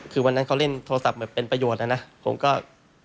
คือวันนั้นเขาเล่นโทรศัพท์เหมือนเป็นประโยชน์นะผมก็ขอบคุณเลย